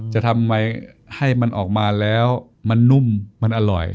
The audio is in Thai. จะทำไมให้มันออกมาแล้วมันนุ่มมันอร่อย